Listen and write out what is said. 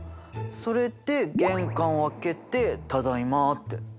それで玄関を開けてただいまって。